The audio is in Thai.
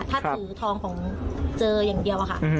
ถ้าถือทองของเจออย่างเดียวอะค่ะ